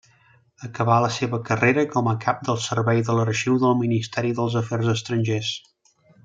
Acabà la seva carrera com cap del servei de l'arxiu del ministeri dels afers estrangers.